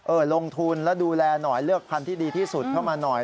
ลงทุนแล้วดูแลหน่อยเลือกพันธุ์ที่ดีที่สุดเข้ามาหน่อย